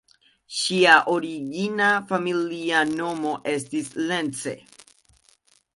Ŝia origina familia nomo estis "Lencse".